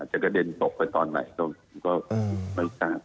กระเด็นตกไปตอนไหนก็ไม่ทราบ